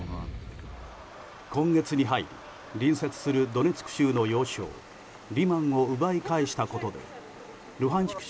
今月に入り隣接するドネツク州の要衝リマンを奪い返したことでルハンシク